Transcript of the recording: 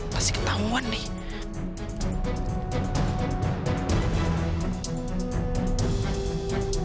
pasti ketahuan nih